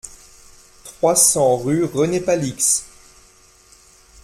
trois cents rue René Palix